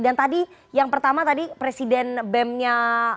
dan tadi yang pertama tadi presiden bem nya